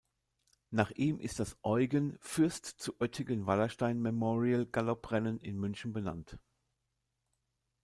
Nach ihm ist das "Eugen Fürst zu Oettingen-Wallerstein-Memorial"-Galopprennen in München benannt.